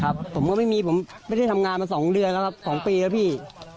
ผมก็ไม่มีผมไม่ได้ทำงานมา๒เดือนแล้วครับ๒ปีแล้วพี่